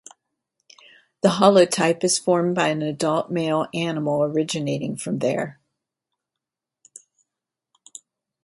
The holotype is formed by an adult male animal originating from there.